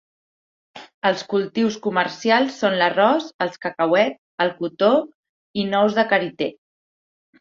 Els cultius comercials són l'arròs, els cacauets, el cotó i nous de karité.